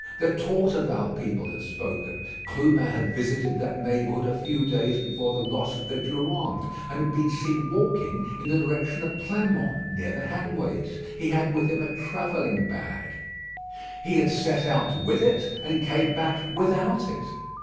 The Torteval people had spoken. Clubin had visited that neighbourhood a few days before the loss of the Durande, and had been seen walking in the direction of Pleinmont, near the Hanways. He had with him a travelling bag. "He had set out with it, and come back without it."